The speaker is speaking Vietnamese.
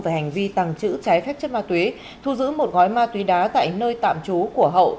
về hành vi tăng chữ trái phép chất ma túy thu giữ một gói ma túy đá tại nơi tạm chú của hậu